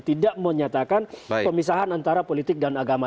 tidak menyatakan pemisahan antara politik dan agama